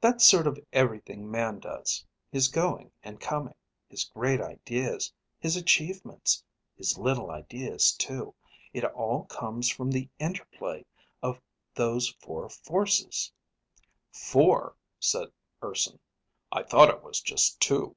"That's sort of everything man does, his going and coming, his great ideas, his achievements, his little ideas too. It all comes from the interplay of those four forces." "Four?" said Urson. "I thought it was just two."